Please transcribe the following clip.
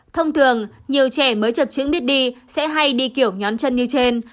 thông thường nhiều trẻ mới chập chứng biết đi sẽ hay đi kiểu nhón chân như trên